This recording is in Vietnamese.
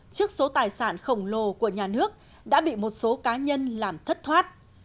trước số tài sản khổng lồ của nhà nước đã bị một số cá nhân làm thất thoát